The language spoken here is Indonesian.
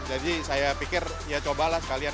jadi saya pikir ya cobalah sekalian